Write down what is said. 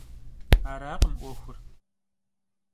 Arakhım 'uexur.